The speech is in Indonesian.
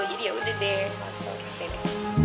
jadi yaudah deh langsung kesini